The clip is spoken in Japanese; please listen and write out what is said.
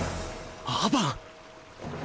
アバン！？